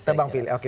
ya tebang pilih oke